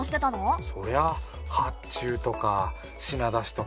そりゃ発注とか品出しとか。